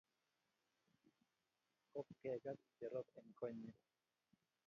Kop kegat Cherop eng' koinyi